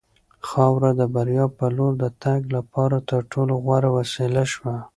خاوره د بریا په لور د تګ لپاره تر ټولو غوره وسیله شوه.